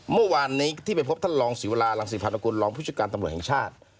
เมื่อวานนี้ที่ไปพบท่านรองศิวรารังศิพานกุลรองผู้จัดการตำรวจแห่งชาติ